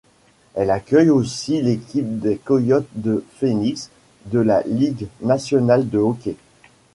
Elle accueille aussi l'équipe des Coyotes de Phoenix de la Ligue nationale de hockey.